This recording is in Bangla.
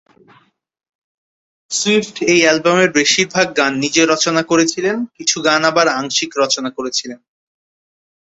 সুইফট এই অ্যালবামের বেশিরভাগ গান নিজে রচনা করেছিলেন, কিছু গান আবার আংশিক রচনা করেছিলেন।